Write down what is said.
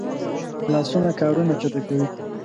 لاسونه کارونه چټکوي